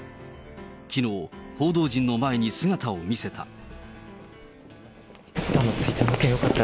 きのう、報道陣の前に姿を見せた。